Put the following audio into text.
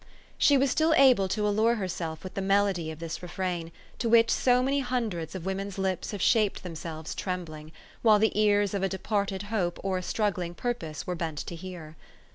She was still able to allure herself with the melody of this refrain, to which so many hundreds of women's lips have shaped them selves trembling ; while the ears of a departing hope or a struggling purpose were bent to hear.